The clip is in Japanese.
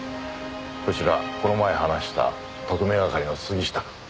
こちらこの前話した特命係の杉下くん。